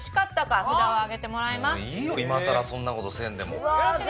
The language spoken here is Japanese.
もういいよ今更そんな事せんでも。